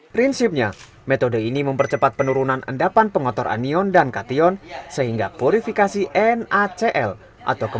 prinsipnya metode ini mempercepat penurunan endapan pengotor anion dan kation sehingga purifikasi nacl atau kemampuan